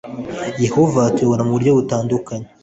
yehova atuyobora mu buryo butandukanye